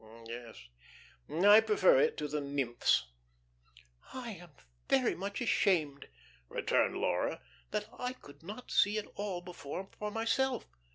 Oh, yes, I prefer it to the nymphs." "I am very much ashamed," returned Laura, "that I could not see it all before for myself.